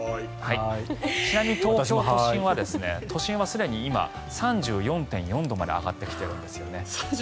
ちなみに東京都心はすでに今、３４．４度まで上がってきているんですよね。